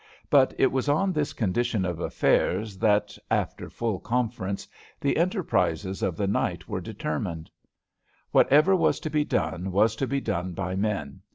But it was on this condition of affairs that, after full conference, the enterprises of the night were determined. Whatever was to be done was to be done by men.